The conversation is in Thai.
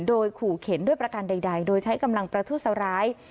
โดยขู่เข็นด้วยประการใดโดยใช้กำลังประทุษร้าย